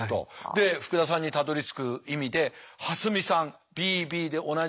で福田さんにたどりつく意味で蓮見さんＢＢで同じでも合格。